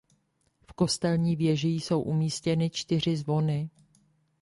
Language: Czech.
V kostelní věži jsou umístěny čtyři zvony.